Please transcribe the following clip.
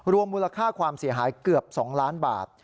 มูลค่าความเสียหายเกือบ๒ล้านบาท